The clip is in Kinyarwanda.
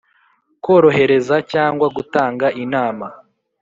korohereza cyangwa gutanga inama